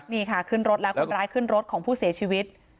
นี่ค่ะขึ้นรถแล้วคนร้ายขึ้นรถของผู้เสียชีวิต